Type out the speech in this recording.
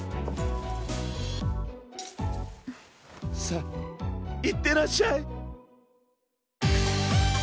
さあいってらっしゃい。